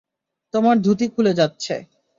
তোমার ধুতি খুলে যাচ্ছে।